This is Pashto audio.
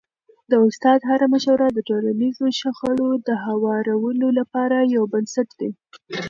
د استاد هره مشوره د ټولنیزو شخړو د هوارولو لپاره یو بنسټ دی.